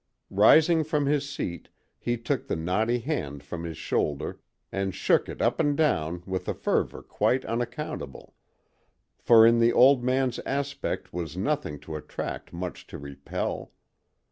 Rising from his seat, he took the knotty hand from his shoulder, and shook it up and down with a fervor quite unaccountable; for in the old man's aspect was nothing to attract, much to repel.